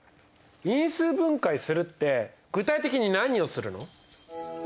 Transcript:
因数分解するって具体的に何をするの？